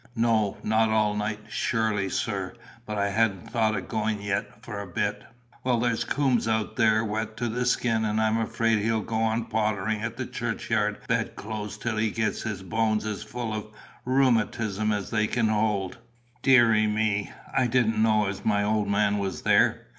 "No, not all night, surely, sir. But I hadn't thought o' going yet for a bit." "Why there's Coombes out there, wet to the skin; and I'm afraid he'll go on pottering at the churchyard bed clothes till he gets his bones as full of rheumatism as they can hold." "Deary me! I didn't know as my old man was there.